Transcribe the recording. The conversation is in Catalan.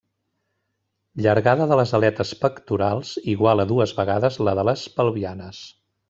Llargada de les aletes pectorals igual a dues vegades la de les pelvianes.